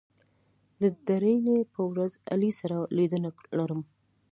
د درېنۍ په ورځ علي سره لیدنه لرم